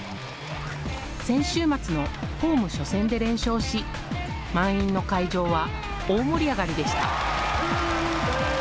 先週末のホーム初戦で連勝し満員の会場は大盛り上がりでした。